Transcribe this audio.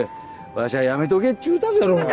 わしゃやめとけっちゅうたじゃろうが。